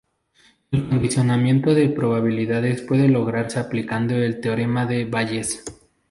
El condicionamiento de probabilidades puede lograrse aplicando el teorema de Bayes.